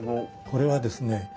これはですね